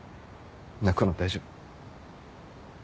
泣くの大丈夫。